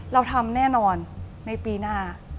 เราทำแน่นอนในปีหน้า